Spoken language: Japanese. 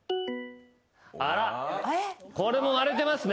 あらこれも割れてますね。